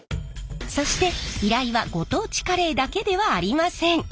そして依頼はご当地カレーだけではありません。